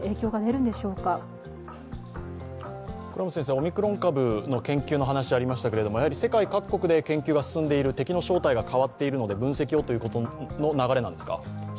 オミクロン株の研究の話ありましたけれども世界各国で研究が進んでいる、敵の正体が変わっているので分析をということの流れなんですか？